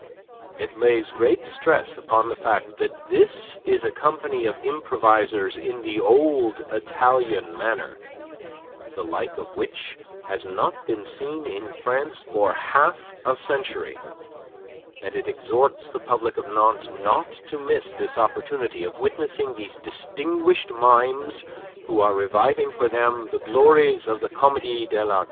It lays great stress upon the fact that this is a company of improvisers in the old Italian manner, the like of which has not been seen in France for half a century, and it exhorts the public of Nantes not to miss this opportunity of witnessing these distinguished mimes who are reviving for them the glories of the Comedie de l'Art.